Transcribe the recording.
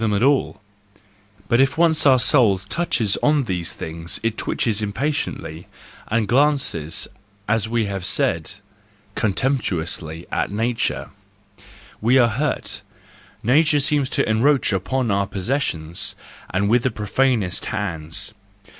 them at all, but if once our soul touches on these things it twitches impatiently, and glances, as we have said, contemptuously at nature :— we are hurt; nature seems to encroach upon our possessions, and with the profanest hands.